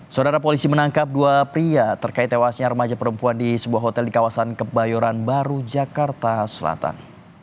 saudara polisi menangkap dua pria terkait tewasnya remaja perempuan di sebuah hotel di kawasan kebayoran baru jakarta selatan